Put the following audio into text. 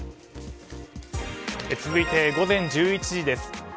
続いて午前１１時です。